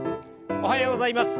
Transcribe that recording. おはようございます。